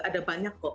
ada banyak kok